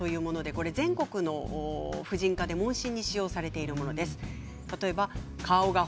全国の婦人科で問診に使用されているものです。